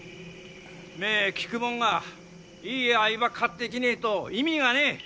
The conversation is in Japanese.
目ぇ利くもんがいい藍葉買ってきねえと意味がねぇ。